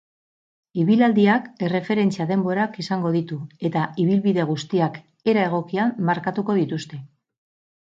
Ibilaldiak erreferentzia-denborak izango ditu eta ibilbide guztiak era egokian markatuko dituzte.